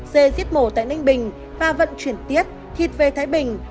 dê giết mổ tại ninh bình và vận chuyển tiết thịt về thái bình